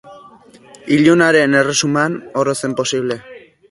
Ilunaren erresuman, oro zen posible.